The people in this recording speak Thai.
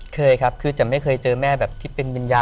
เคยครับคือจะไม่เคยเจอแม่แบบที่เป็นวิญญาณ